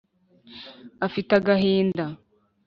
afite agahinda .